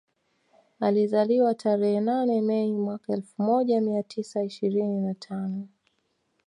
Alizaliwa tarehe nane Mei mwaka elfu moja mia tisa ishirini na tano